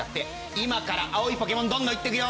今から青いポケモンどんどん言ってくよ。